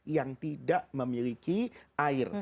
yang tidak memiliki air